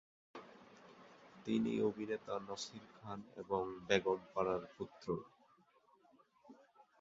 তিনি অভিনেতা নাসির খান এবং বেগম পারার পুত্র।